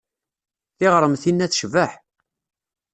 Tiɣremt-inna tecbeḥ.